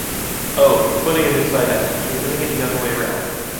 oh, he’s putting it inside out. you are doing it the other way round.